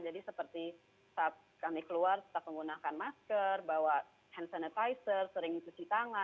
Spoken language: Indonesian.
jadi seperti saat kami keluar kita menggunakan masker bawa hand sanitizer sering cuci tangan